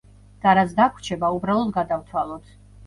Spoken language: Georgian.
და რაც დაგვრჩება, უბრალოდ გადავთვალოთ.